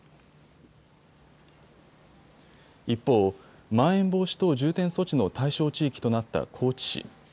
一方、まん延防止等重点措置の対象地域となった高知市。